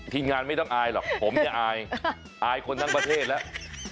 ทีมงานไม่ต้องอายหรอกผมจะอายอายคนทั้งประเทศแล้ว